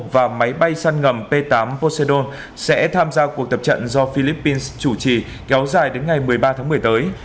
và máy bay săn ngầm p tám poseido sẽ tham gia cuộc tập trận do philippines chủ trì kéo dài đến ngày một mươi ba tháng một mươi tới